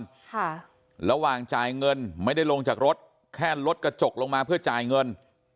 ค่ะระหว่างจ่ายเงินไม่ได้ลงจากรถแค่ลดกระจกลงมาเพื่อจ่ายเงิน